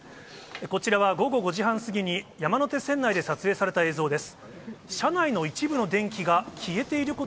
こちらは、午後５時半過ぎに山手線内で撮影された映像です。